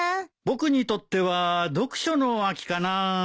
僕にとっては読書の秋かなぁ。